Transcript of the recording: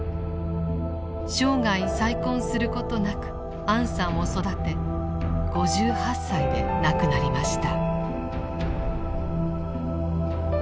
生涯再婚することなくアンさんを育て５８歳で亡くなりました。